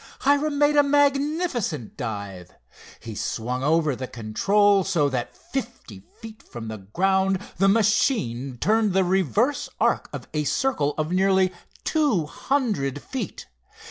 Hiram made a magnificent dive. He swung over the control so that fifty feet from the ground the machine turned the reverse arc of a circle of nearly two hundred feet.